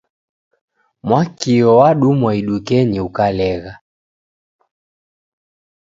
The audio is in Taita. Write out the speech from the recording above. Mwakio wadumwa idukenyii ukalegha.